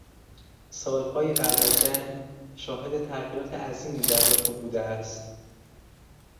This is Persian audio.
سالهای بعد از جنگ شاهد تغییرات عظیمی در ژاپن بوده است.